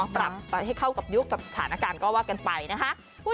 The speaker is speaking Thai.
ปรับไปให้เข้ากับยุคกับสถานการณ์ก็ว่ากันไปนะคะ